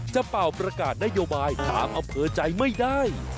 เป่าประกาศนโยบายทางอำเภอใจไม่ได้